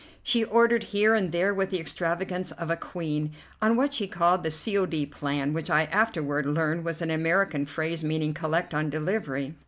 She ordered here and there with the extravagance of a queen, on what she called the "C. O. D." plan, which I afterward learned was an American phrase meaning, "Collect on delivery."